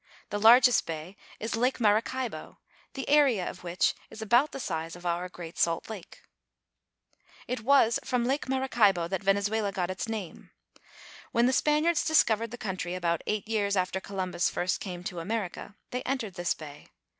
The largest bay is Lake Maracaibo, the area of which is about the size of our Great Salt Lake. It was from Lake Maracaibo that Venezuela got its name. When the Spaniards discovered the country, about eight years after Columbus first came to America, they entered this bay.